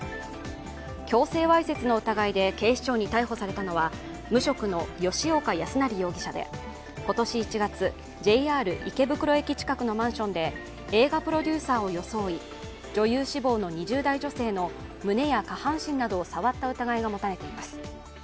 強制わいせつの疑いで警視庁に逮捕されたのは無職の吉岡康成容疑者で、今年１月、ＪＲ池袋駅近くのマンションで映画プロデューサーを装い女優志望の２０代女性の胸や下半身などを触った疑いが持たれています。